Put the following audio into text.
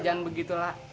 jangan begitu lah